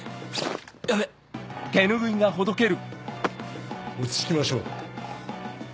ヤベっ落ち着きましょう。